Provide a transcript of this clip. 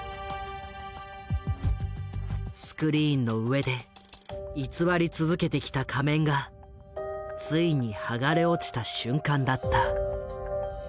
スクリーンの上で偽り続けてきた仮面がついに剥がれ落ちた瞬間だった。